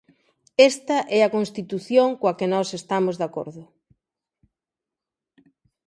Esta é a Constitución, coa que nós estamos de acordo.